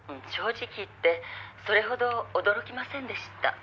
「正直言ってそれほど驚きませんでした」